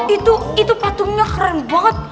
itu patungnya keren banget